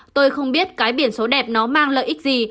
tôi không biết cái biển số đẹp nó mang lợi ích gì